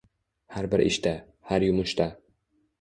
Har bir ishda, har yumushda